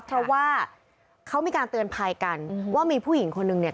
เพราะว่าเขามีการเตือนภัยกันว่ามีผู้หญิงคนนึงเนี่ย